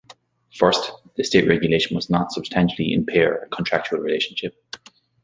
First, the state regulation must not substantially impair a contractual relationship.